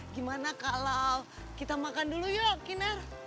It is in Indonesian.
gimana kalau kita makan dulu yuk kinar